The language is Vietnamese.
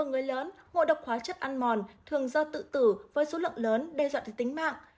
người lớn ngộ độc hóa chất ăn mòn thường do tự tử với số lượng lớn đe dọa tới tính mạng